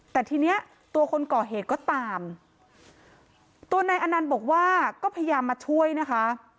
แต่ทีเนี้ยตัวคนก่อเหตุก็ตามตัวนายอนันต์บอกว่าก็พยายามมาช่วยนะคะ